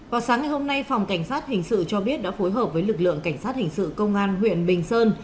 vào sáng ngày hôm nay phòng cảnh sát hình sự cho biết đã phối hợp với lực lượng cảnh sát hình sự công an huyện bình sơn